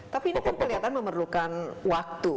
tapi ini kan kelihatan memerlukan waktu